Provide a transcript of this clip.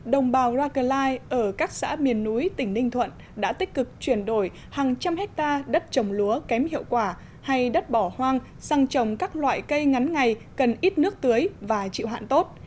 đồng bào rackline ở các xã miền núi tỉnh ninh thuận đã tích cực chuyển đổi hàng trăm hectare đất trồng lúa kém hiệu quả hay đất bỏ hoang sang trồng các loại cây ngắn ngày cần ít nước tưới và chịu hạn tốt